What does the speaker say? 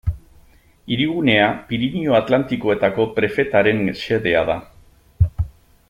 Hirigunea Pirinio Atlantikoetako prefetaren xedea da.